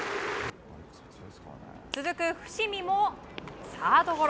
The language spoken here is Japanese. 続く伏見もサードゴロ。